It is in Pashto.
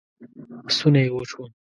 ستونی یې وچ و